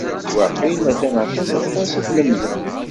Waqil atan aṭas aṭas i tlemdem.